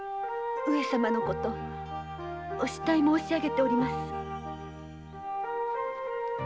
上様のことお慕い申し上げております。